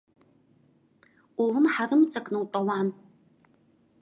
Улымҳа рымҵакны утәауан.